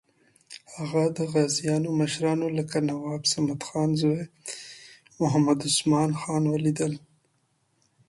هغه د غازیانو مشرانو لکه نواب صمدخان زوی محمد عثمان خان ولیدل.